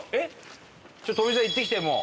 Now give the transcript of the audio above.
ちょっと富澤行ってきてもう。